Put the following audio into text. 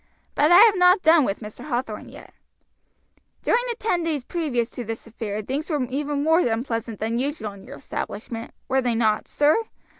But I have not done with Mr. Hathorn yet. "During the ten days previous to this affair things wore even more unpleasant than usual in your establishment, were they not, sir?